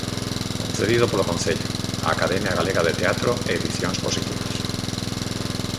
Concedido polo Concello, a Academia Galega de Teatro e Edicións Positivas.